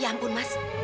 ya ampun mas